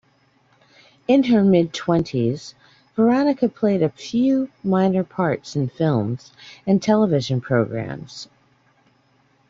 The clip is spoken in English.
In her mid-twenties, Veronica played a few minor parts in films and television programmes.